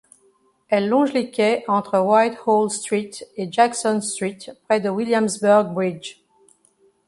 Elle longe les quais, entre Whitehall Street et Jackson Street, près du Williamsburg Bridge.